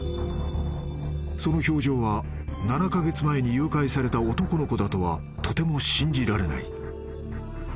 ［その表情は７カ月前に誘拐された男の子だとはとても信じられない］